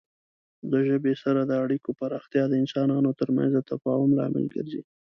د ژبې سره د اړیکو پراختیا د انسانانو ترمنځ د تفاهم لامل ګرځي.